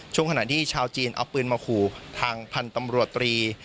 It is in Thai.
ช่วงขณะที่ชาวจีนเอาปืนมาขู่ทางพันธุ์ตำรวจตรี